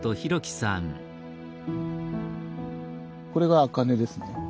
これが茜ですね。